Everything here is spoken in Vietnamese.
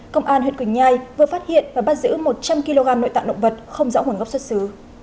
công an huyện quỳnh nhai vừa phát hiện và bắt giữ một trăm linh kg nội tạng động vật không rõ nguồn gốc xuất xứ